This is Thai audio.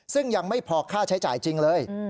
ซึ่งยังไม่พอค่าใช้จ่ายจริงเลย